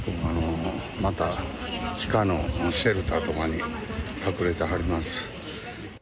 また地下のシェルターとかに隠れてはります。